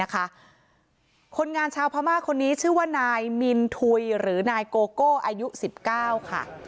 คนงานชาวพม่าคนนี้ชื่อว่านายมินทุยหรือนายโกโก้อายุ๑๙ค่ะ